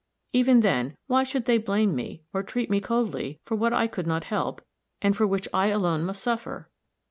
Even then, why should they blame me, or treat me coldly, for what I could not help, and for which I alone must suffer?